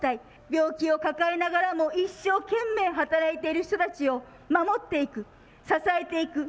病気を抱えながらも一生懸命働いている人たちを守っていく、支えていく。